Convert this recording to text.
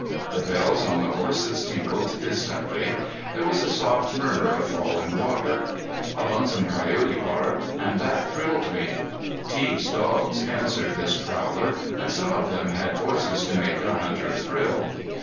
The bells on the horses tinkled distantly. There was a soft murmur of falling water. A lonesome coyote barked, and that thrilled me. Teague's dogs answered this prowler, and some of them had voices to make a hunter thrill.